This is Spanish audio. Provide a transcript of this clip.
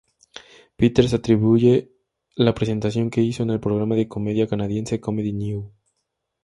Peters atribuye la presentación que hizo en el programa de comedia canadiense Comedy Now!